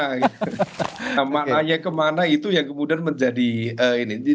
nama aye kemana itu yang kemudian menjadi ini